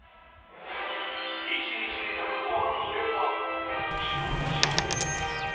１日に炊くごはんの量は１２升。